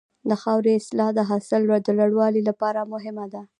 د خاورې اصلاح د حاصل د لوړوالي لپاره مهمه ده.